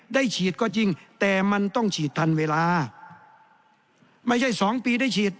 ฉีดก็จริงแต่มันต้องฉีดทันเวลาไม่ใช่สองปีได้ฉีด